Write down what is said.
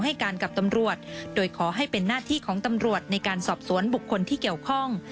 ให้การกับตำรวจโดยขอให้เป็นหน้าที่ของตำรวจในการสอบสวนบุคคลที่เกี่ยวข้อง